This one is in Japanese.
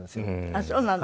あっそうなの？